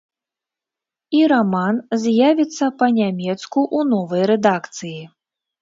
І раман з'явіцца па-нямецку ў новай рэдакцыі.